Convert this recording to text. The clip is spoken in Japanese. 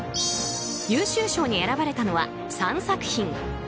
優秀賞に選ばれたのは３作品。